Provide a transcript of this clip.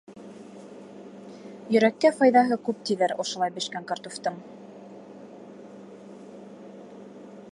Йөрәккә файҙаһы күп тиҙәр ошолай бешкән картуфтың...